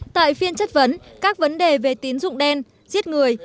tại phiên chất vấn các vấn đề về tín dụng đen giết người